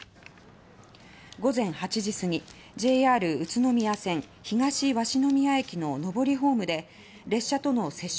午前８時すぎＪＲ宇都宮線東鷲宮駅の上りホームで列車との接触